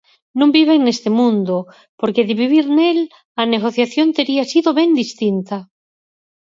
Non viven neste mundo, porque de vivir nel, a negociación tería sido ben distinta.